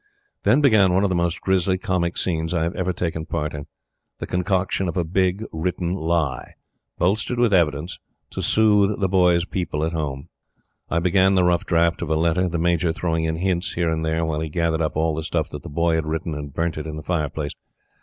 Then began one of the most grimy comic scenes I have ever taken part in the concoction of a big, written lie, bolstered with evidence, to soothe The Boy's people at Home. I began the rough draft of a letter, the Major throwing in hints here and there while he gathered up all the stuff that The Boy had written and burnt it in the fireplace.